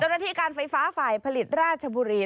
เจ้าหน้าที่การไฟฟ้าฝ่ายผลิตราชบุรี